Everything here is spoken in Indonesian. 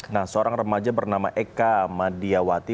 nah seorang remaja bernama eka madiawati